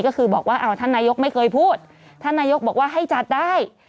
ก็คือบอกว่าอ้าวท่านนายกไม่เคยพูดท่านนายกบอกว่าให้จัดได้